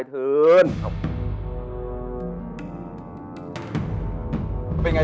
ชื่องนี้ชื่องนี้ชื่องนี้ชื่องนี้